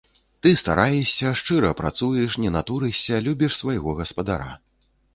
Ты стараешся, шчыра працуеш, не натурышся, любіш свайго гаспадара.